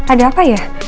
ada apa ya